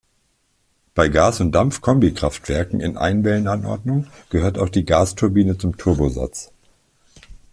Bei Gas-und-Dampf-Kombikraftwerken in "Einwellen"anordnung gehört auch die Gasturbine zum Turbosatz.